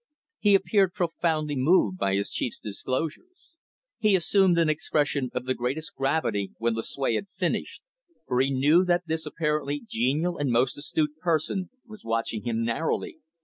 He appeared profoundly moved by his chief's disclosures. He assumed an expression of the greatest gravity when Lucue had finished, for he knew that this apparently genial and most astute person was watching him narrowly.